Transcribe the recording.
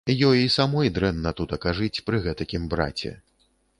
Ёй і самой дрэнна тутака жыць пры гэтакім браце.